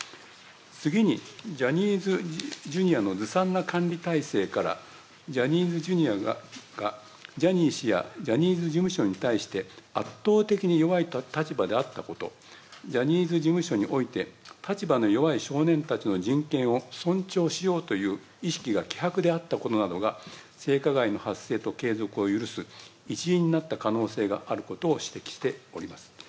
次に、ジャニーズＪｒ．のずさんな管理体制から、ジャニーズＪｒ．がジャニー氏やジャニーズ事務所に対して、圧倒的に弱い立場であったこと、ジャニーズ事務所において立場の弱い少年たちの人権を尊重しようという意識が希薄であったことなどが性加害の発生と継続を許す一因になった可能性があることを指摘しております。